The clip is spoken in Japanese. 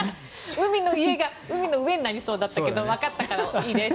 海の家が海の上になりそうだったけど分かったから、いいです。